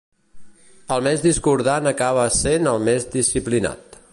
El més discordant acaba essent el més disciplinat.